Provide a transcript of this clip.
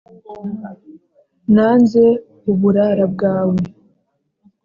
nanze uburara bwawe